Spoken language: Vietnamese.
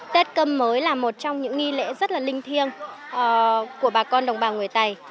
tết cơm mới là một trong những nghi lễ rất là linh thiêng của bà con đồng bào người tây